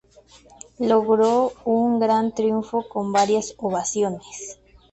Logró un gran triunfo con varias ovaciones.